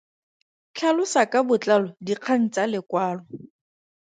Tlhalosa ka botlalo dikgang tsa lekwalo.